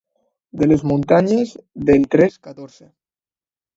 De les muntanyes del tres catorze.